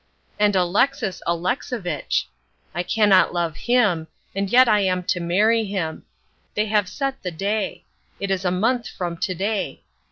And Alexis Alexovitch! I cannot love him. And yet I am to marry him. They have set the day. It is a month from to day.